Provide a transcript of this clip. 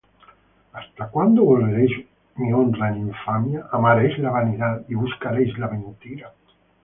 ¿hasta cuándo volveréis mi honra en infamia, Amaréis la vanidad, y buscaréis la mentira?